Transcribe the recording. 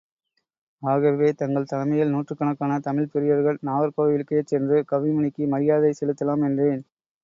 ஆகவே தங்கள் தலைமையில் நூற்றுக்கணக்கான தமிழ்ப் பெரியோர்கள் நாகர்கோவிலுக்கே சென்று கவிமணிக்கு, மரியாதை செலுத்தலாம் என்றேன்.